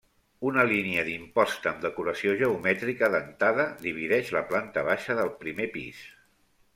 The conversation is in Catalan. Una línia d'imposta amb decoració geomètrica dentada divideix la planta baixa del primer pis.